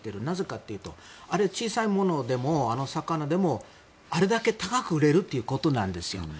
なぜかというとあれは小さいものでも魚でも、あれだけ高く売れるということなんですよ。